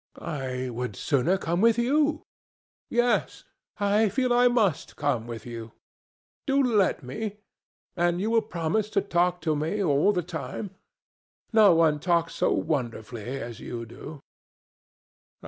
"I would sooner come with you; yes, I feel I must come with you. Do let me. And you will promise to talk to me all the time? No one talks so wonderfully as you do."